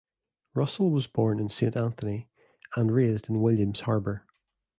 Russell was born in Saint Anthony and raised in William's Harbour.